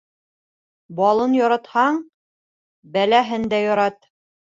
Балын яратһаң, бәләһен дә ярат.